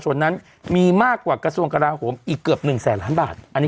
ส่วนนั้นมีมากกว่ากระทรวงกราโหมอีกเกือบ๑แสนล้านบาทอันนี้